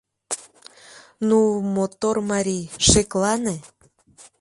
Ну, мотор марий, шеклане!..